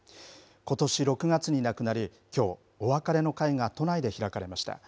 ことし６月に亡くなり、きょう、お別れの会が都内で開かれました。